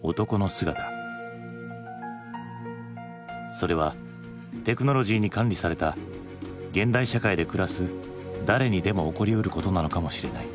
それはテクノロジーに管理された現代社会で暮らす誰にでも起こりうることなのかもしれない。